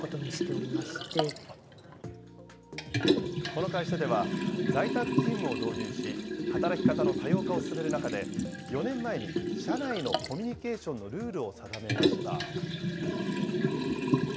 この会社では在宅勤務を導入し、働き方の多様化を進める中で、４年前に社内のコミュニケーションのルールを定めました。